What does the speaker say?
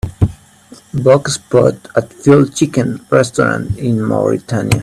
Book spot at Fried chicken restaurant in Mauritania